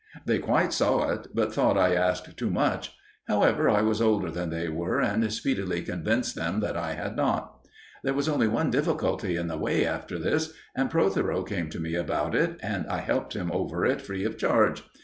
They quite saw it, but thought I asked too much. However, I was older than they were, and speedily convinced them that I had not. There was only one difficulty in the way after this, and Protheroe came to me about it, and I helped him over it free of charge.